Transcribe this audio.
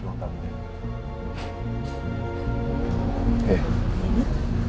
kita ngobrol di rumah tamu ya